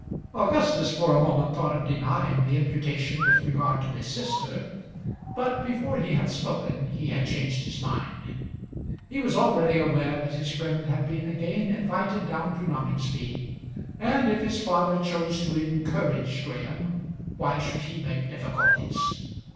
Augustus for a moment thought of denying the imputation with regard to his sister, but before he had spoken he had changed his mind. He was already aware that his friend had been again invited down to Noningsby, and if his father chose to encourage Graham, why should he make difficulties?